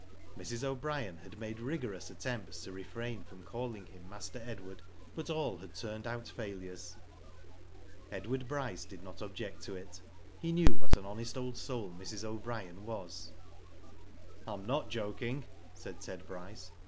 Mrs. O'Brien had made rigorous attempts to refrain from calling him Master Edward, but all had turned out failures. Edward Bryce did not object to it. He knew what an honest old soul Mrs. O'Brien was. " I am not joking," said Ted Bryce.